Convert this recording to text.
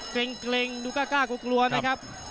เกร็งเกร็งดูกล้ากล้ากลัวนะครับ